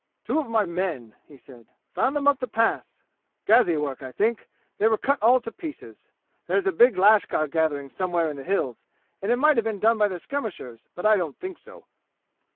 "Two of my men!" he said. "Found 'em up the Pass. Gazi work I think. They were cut all to pieces. There's a big lashkar gathering somewhere in the 'Hills,' and it might have been done by their skirmishers, but I don't think so."